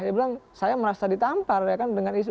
dia bilang saya merasa ditampar dengan isu